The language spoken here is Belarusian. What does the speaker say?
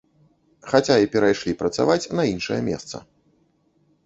Хаця і перайшлі працаваць на іншае месца.